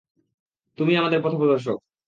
তুমিই আমাদের পথপ্রদর্শক।